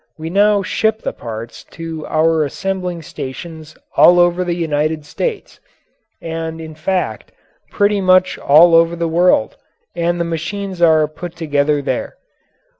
We now ship the parts to our assembling stations all over the United States and in fact pretty much all over the world, and the machines are put together there.